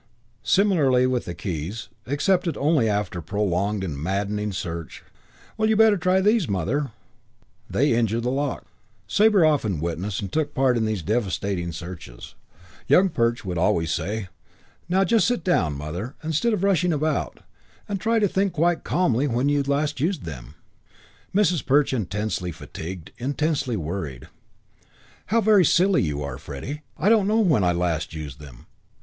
Similarly with the keys, accepted only after prolonged and maddening search. "Well, you'd better try these, Mother." "They injure the lock." Sabre often witnessed and took part in these devastating searches. Young Perch would always say, "Now just sit down, Mother, instead of rushing about, and try to think quite calmly when you last used them." Mrs. Perch, intensely fatigued, intensely worried: "How very silly you are, Freddie! I don't know when I last used them.